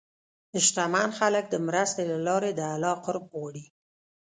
شتمن خلک د مرستې له لارې د الله قرب غواړي.